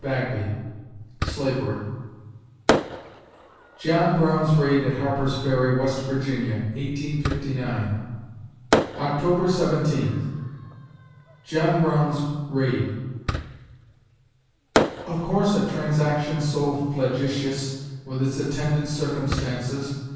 BAGBY (Slavery) John Brown's raid at Harper's Ferry, West Virginia, 1859 October Seventeenth JOHN BROWN'S RAID Of course a transaction so flagitious with its attendant circumstances